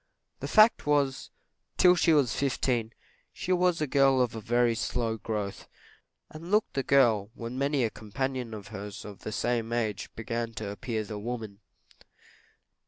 The fact was, till she was fifteen, she was a girl of a very slow growth, and looked the girl when many a companion of hers of the same age began to appear the woman.